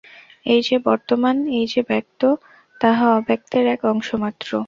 এই যে বর্তমান, এই যে ব্যক্ত, তাহা অব্যক্তের এক অংশ মাত্র।